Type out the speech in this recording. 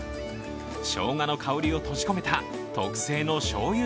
しょうがの香りを閉じ込めた特製のしょうゆ